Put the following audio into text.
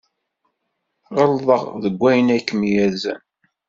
Ɣelḍeɣ deg wayen ay kem-yerzan.